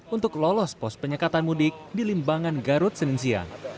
untuk lolos pos penyekatan mudik di limbangan garut seninsian